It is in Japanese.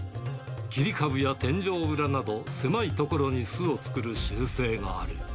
切り株や天井裏など、狭い所に巣を作る習性がある。